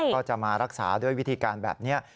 ก็จะมารักษาด้วยวิธีการแบบนี้